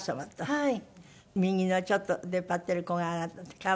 はい。